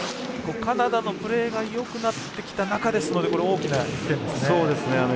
カナダのプレーがよくなってきた中ですのでこれは大きな１点ですね。